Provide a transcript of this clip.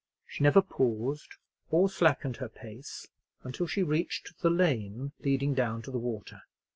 She never paused or slackened her pace until she reached the lane leading down to the water.